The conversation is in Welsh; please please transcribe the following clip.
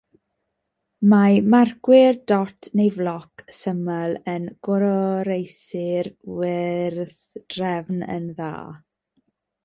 Mae marcwyr dot neu floc syml yn goroesi'r weithdrefn yn dda.